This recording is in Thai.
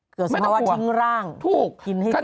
เกิดสมมติว่าทิ้งร่างกินให้คว่ำ